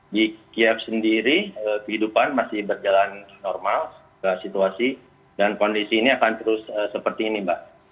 di kiev sendiri kehidupan masih berjalan normal situasi dan kondisi ini akan terus seperti ini mbak